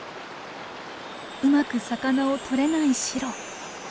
うまく魚を捕れないシロ。